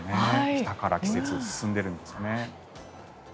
北から季節進んでいるんですね。